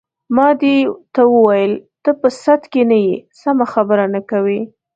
ما دې ته وویل: ته په سد کې نه یې، سمه خبره نه کوې.